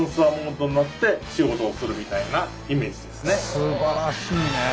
すばらしいねえ。